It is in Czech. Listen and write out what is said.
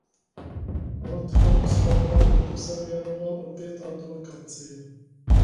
Po odchodu z parlamentu se věnoval opět advokacii.